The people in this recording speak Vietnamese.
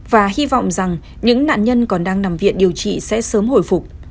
và hy vọng rằng những nạn nhân còn đang nằm viện điều trị sẽ sớm hồi phục